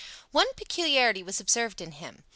One peculiarity was observed in him.